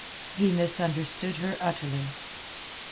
He misunderstood her utterly.